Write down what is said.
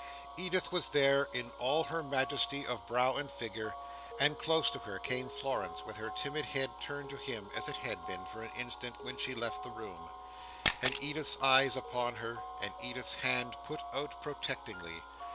Edith was there in all her majesty of brow and figure; and close to her came Florence, with her timid head turned to him, as it had been, for an instant, when she left the room; and Edith's eyes upon her, and Edith's hand put out protectingly.